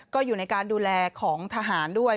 ก็อยู่ในการดูแลของทหารด้วย